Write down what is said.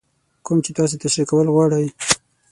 کوم چې تاسې تشرېح کول غواړئ.